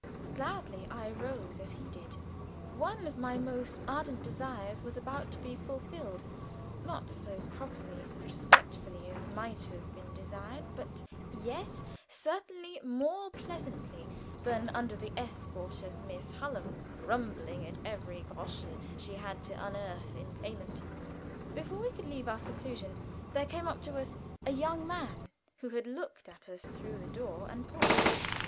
Gladly I rose, as he did. One of my most ardent desires was about to be fulfilled not so properly and correctly as might have been desired, but yes, certainly more pleasantly than under the escort of Miss Hallam, grumbling at every groschen she had to unearth in payment. Before we could leave our seclusion there came up to us a young man who had looked at us through the door and paused.